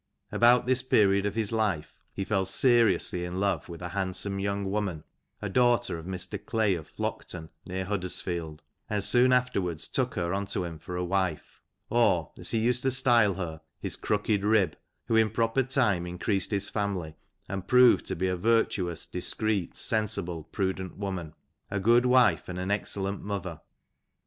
" About this period of life he fell seriously in love with a handsome young woman, a daughter of Mr. Clay, of IToekton, near Huddersfield, and soon after took her unto him for a wife; or, as he used to style her, his crooked rib, who, in proper time increased his family, and proved to be a virtuous, discreet, sensible, and prudent woman; a good wife, and an excellent mother.